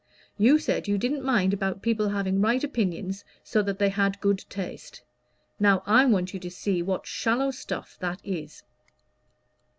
You said you didn't mind about people having right opinions so that they had good taste. Now I want you to see what shallow stuff that is."